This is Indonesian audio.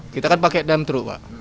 kita kan pakai dump truck pak